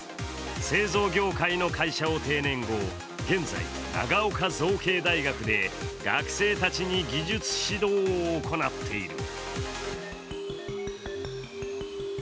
製造業界の会社を定年後現在、長岡造形大学で学生たちに技術指導を行っている。